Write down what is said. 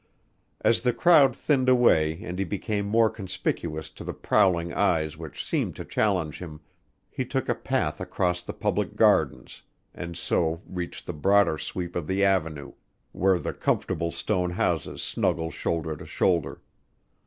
As the crowd thinned away and he became more conspicuous to the prowling eyes which seemed to challenge him, he took a path across the Public Gardens, and so reached the broader sweep of the avenue where the comfortable stone houses snuggle shoulder to shoulder.